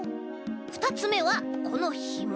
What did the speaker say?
ふたつめはこのひも。